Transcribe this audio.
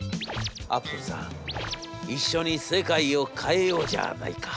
『アップルさん一緒に世界を変えようじゃないか』。